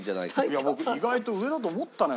いや僕意外と上だと思ったのよ。